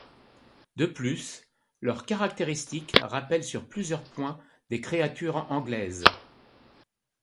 De plus, leurs caractéristiques rappellent sur plusieurs points des créatures anglaises.